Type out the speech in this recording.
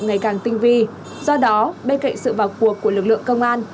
ngày càng tinh vi do đó bên cạnh sự vào cuộc của lực lượng công an